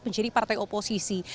menjadi partai oposisi